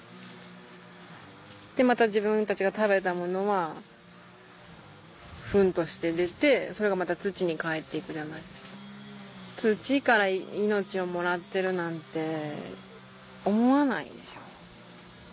でまた自分たちが食べたものはふんとして出てそれがまた土に返って行くじゃないですか。なんて思わないでしょ。